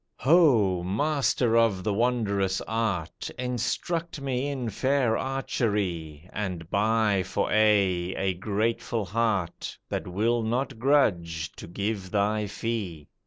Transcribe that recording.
"Ho! Master of the wondrous art! Instruct me in fair archery, And buy for aye, a grateful heart That will not grudge to give thy fee."